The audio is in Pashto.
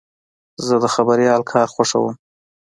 زه د خبریال کار خوښوم.